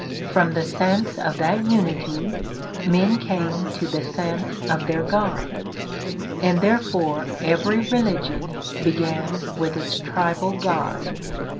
From the sense of that Unity, men came to the sense of their God. And therefore every religion began with its tribal God.